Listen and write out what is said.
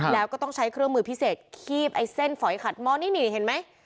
แล้วก็ต้องใช้เครื่องมือพิเศษคีบไอ้เส้นฝอยขัดม้อนี่นี่เห็นไหม